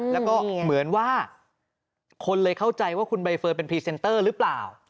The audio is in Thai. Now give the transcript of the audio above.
แล้วก็เหมือนว่าคนเลยเข้าใจว่าคุณใบเฟิร์นเป็นพรีเซนเตอร์หรือเปล่า